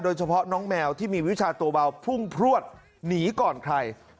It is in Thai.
โดยเฉพาะน้องแมวที่มีวิชาตัวเบาพุ่งพลวดหนีก่อนใคร